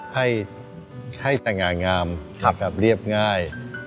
ให้สง่างามเรียบง่าย